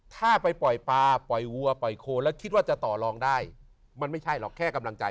ถ้าไปปล่อยปลาปล่อยวัวปล่อยโคนแล้วคิดว่าจะต่อลองได้มันไม่ใช่หรอกแค่กำลังใจ